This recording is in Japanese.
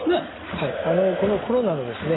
はいこのコロナのですね